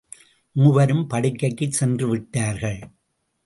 மூவரும் படுக்கைக்குச் சென்றுவிட்டார்கள்.